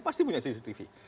pasti punya cctv